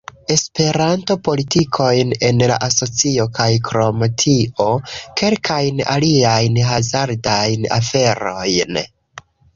Esperanto-politikojn en la asocio kaj krom tio, kelkajn aliajn hazardajn aferojn